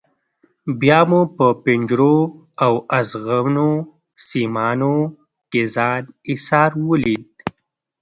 بیا مو په پنجرو او ازغنو سیمانو کې ځان ایسار ولید.